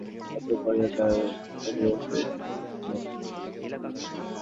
প্রাথমিক পর্যায়েই তার সংগ্রহকে সুপরিচিত এবং গুরুত্বপূর্ণ ধরা হত।